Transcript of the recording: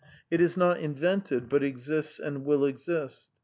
It is not invented, but exists and will exist.